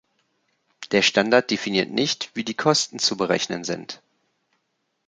Der Standard definiert nicht, wie die Kosten zu berechnen sind.